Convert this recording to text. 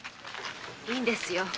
いいんですよ